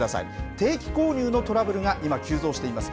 定期購入のトラブルが今急増しています。